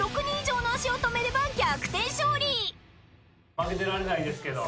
負けてられないですけど。